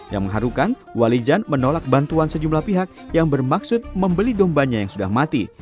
yang mengharukan wali jan menolak bantuan sejumlah pihak yang bermaksud membeli dombanya yang sudah mati